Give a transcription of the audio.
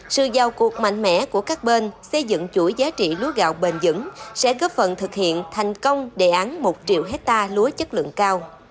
sự giao cuộc mạnh mẽ của các bên xây dựng chuỗi giá trị lúa gạo bền vững sẽ góp phần thực hiện thành công đề án một triệu hectare lúa chất lượng cao